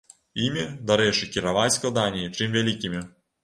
Імі, дарэчы, кіраваць складаней, чым вялікімі.